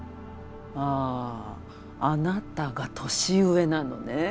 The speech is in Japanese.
あああなたが年上なのね